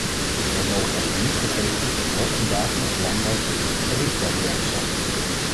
Wij mogen echter niet vergeten dat er ook vandaag nog belangrijke tariefbarrières zijn.